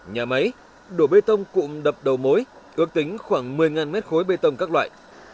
nhà máy đổ bê tông cụm đập đầu mối ước tính khoảng một mươi mét khối bê tông các loại